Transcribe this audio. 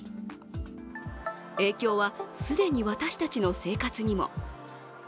影響は既に私たちの生活にも。